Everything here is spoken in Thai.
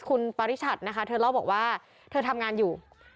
คุณปริชัดนะคะเธอเล่าบอกว่าเธอทำงานอยู่